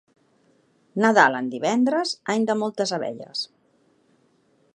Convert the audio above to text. Nadal en divendres, any de moltes abelles.